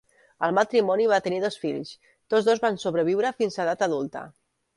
El matrimoni va tenir dos fills, tots dos van sobreviure fins a edat adulta.